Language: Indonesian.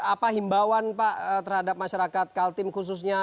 apa himbauan pak terhadap masyarakat kaltim khususnya